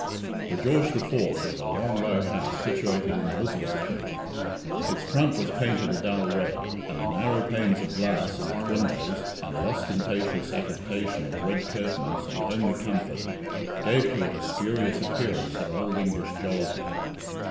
The "George the Fourth" was a long low house, situated in Elizabeth Street. Its front was painted a dull red, and the narrow panes of glass in its windows, and the ostentatious affectation of red curtains and homely comfort, gave to it a spurious appearance of old English jollity.